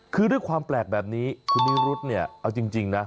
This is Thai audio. คือด้วยความแปลกแบบนี้คุณนิรุธเนี่ยเอาจริงนะ